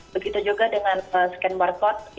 begitu juga dengan scan barcode